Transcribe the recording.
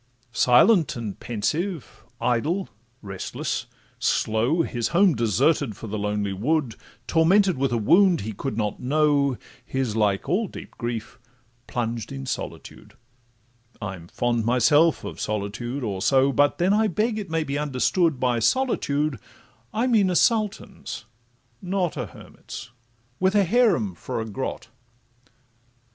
Silent and pensive, idle, restless, slow, His home deserted for the lonely wood, Tormented with a wound he could not know, His, like all deep grief, plunged in solitude: I'm fond myself of solitude or so, But then, I beg it may be understood, By solitude I mean a sultan's, not A hermit's, with a haram for a grot.